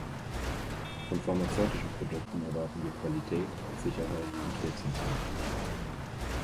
Von pharmazeutischen Produkten erwarten wir Qualität, Sicherheit und Wirksamkeit.